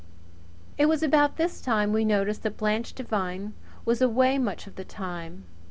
It was about this time we noticed that Blanche Devine was away much of the time.